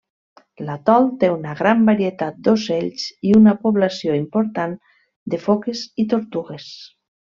L'atol té una gran varietat d'ocells i una població important de foques i tortugues.